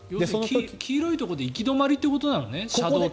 黄色いところで行き止まりってことなのね